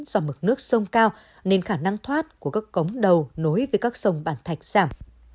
do mực nước sông cao nên khả năng thoát của các cống đầu nối với các sông bản thạch giảm